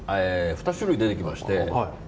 ２種類出てきまして。